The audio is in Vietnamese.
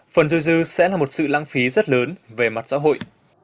phần trôi dư sẽ là một sự lăng phí rất lớn về mặt xã hội